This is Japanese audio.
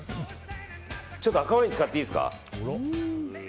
ちょっと赤ワイン使っていいですか。